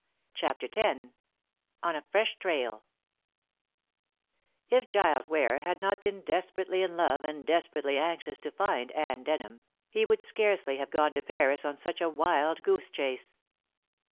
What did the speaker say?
CHAPTER X ON A FRESH TRAIL If Giles Ware had not been desperately in love and desperately anxious to find Anne Denham, he would scarcely have gone to Paris on such a wild goose chase.